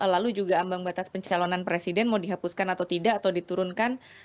lalu juga ambang batas pencalonan presiden mau dihapuskan atau tidak atau diturunkan